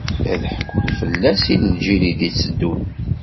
Ad ḥkun fell-as i lǧil i d-itteddun.